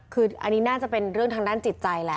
คืออันนี้น่าจะเป็นเรื่องทางด้านจิตใจแหละ